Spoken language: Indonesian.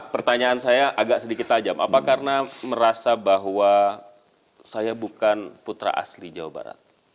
pertanyaan saya agak sedikit tajam apa karena merasa bahwa saya bukan putra asli jawa barat